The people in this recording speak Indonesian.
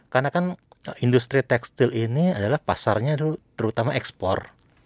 karena kan industri tekstil ini adalah pasarnya terutama ekspor